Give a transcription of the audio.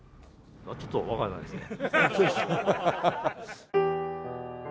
ちょっとわからないですね。